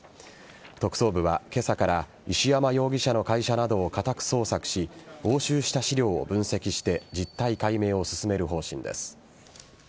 特捜部は今朝から石山容疑者の会社などを家宅捜索し押収した資料を分析して実態解明を進める方針です。